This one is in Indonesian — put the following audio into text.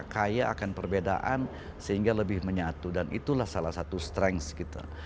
kaya akan perbedaan sehingga lebih menyatu dan itulah salah satu strength kita